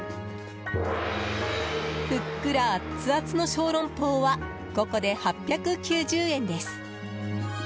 ふっくらアツアツの小籠包は５個で８９０円です。